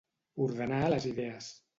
Ordenar les idees.